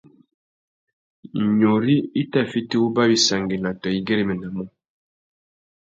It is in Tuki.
Nyôrï a tà fiti wuba wissangüena tô i güeréménamú.